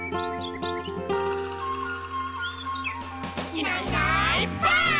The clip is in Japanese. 「いないいないばあっ！」